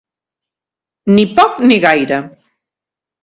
Ni poc ni gaire.